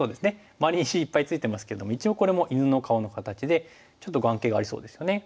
周りに石いっぱいついてますけども一応これも犬の顔の形でちょっと眼形がありそうですよね。